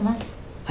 はい。